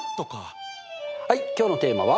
はい今日のテーマは？